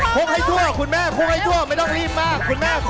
โครกให้ทั่วคุณแม่โครกให้ทั่วไม่ต้องรีบมาถูก